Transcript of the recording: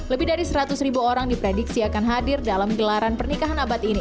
lebih dari seratus ribu orang diprediksi akan hadir dalam gelaran pernikahan abad ini